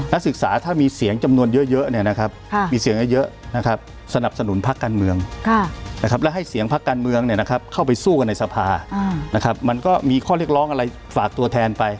นักศึกษาถ้ามีเสียงจำนวนเยอะเนี่ยนะครับมีเสียงเยอะนะครับสนับสนุนพักการเมืองนะครับแล้วให้เสียงพักการเมืองเข้าไปสู้กันในสภานะครับมันก็มีข้อเรียกร้องอะไรฝากตัวแทนไป